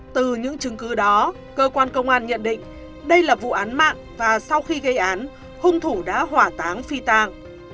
từ những chứng cứ đó cơ quan công an nhận định đây là vụ án mạng và sau khi gây án hung thủ đã hỏa táng phi tang